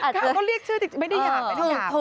เขาก็เรียกชื่อจริงไม่ได้อยากไปทั้งหาบ